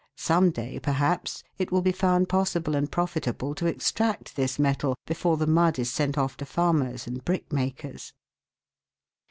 Some day, perhaps, it will be found possible and profitable to extract this metal, before the mud is sent off to farmers and brick makers.